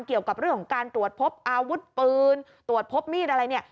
เกี่ยวกับเรื่องการตรวจพบอาวุธพื้นตรวจพบมีดอะไร